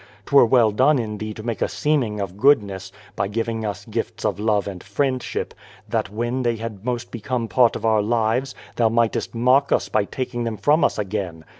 'Twere well done in Thee to make a seeming of goodness, by giving us gifts of love and friendship, that when they had most become part of our lives, Thou mightest mock us by taking them from us again.